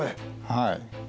はい。